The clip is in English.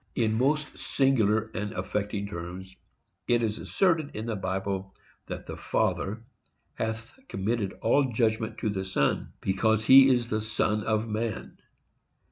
In most singular and affecting terms it is asserted in the Bible that the Father hath committed all judgment to the Son, BECAUSE HE IS THE SON OF MAN.